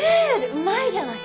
うまいじゃない！